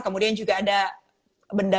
kemudian juga ada benda